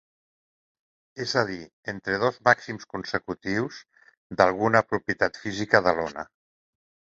És a dir, entre dos màxims consecutius d'alguna propietat física de l'ona.